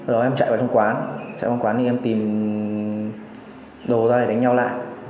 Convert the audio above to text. rồi em chạy vào trong quán chạy vào quán thì em tìm đồ ra để đánh nhau lại